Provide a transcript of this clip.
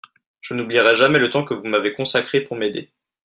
Je n'oublierai jamais le temps que vous m'avez consacré pour m'aider.